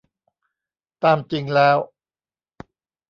ตามจริงแล้ว